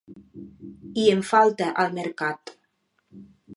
I en falta, al mercat.